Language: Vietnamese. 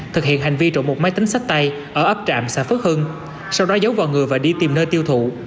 thực hiện hành vi trộm một máy tính sách tay ở ấp trạm xã phước hưng sau đó giấu vào người và đi tìm nơi tiêu thụ